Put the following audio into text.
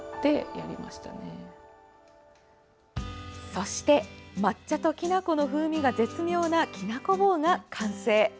そして抹茶ときな粉の風味が絶妙なきなこ棒が完成。